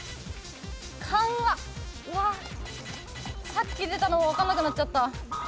さっき出たの分かんなくなっちゃった。